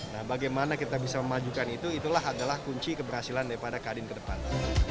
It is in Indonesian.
nah bagaimana kita bisa memajukan itu itulah adalah kunci keberhasilan daripada kadin ke depan